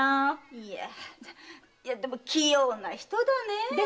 いやでも器用な人だね。でしょ？